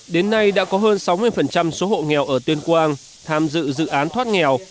đến nay đã có hơn sáu mươi số hộ nghèo ở tuyên quang tham dự dự án thoát nghèo